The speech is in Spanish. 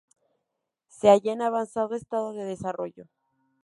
Se halla en avanzado estado de desarrollo.